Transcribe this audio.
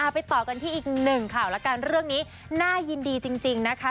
ไปต่อกันที่อีก๑ข่าวแล้วกันนี้น่ายินดีจริงนะคะ